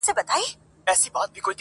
طوطي نه وو یوه لویه ننداره وه-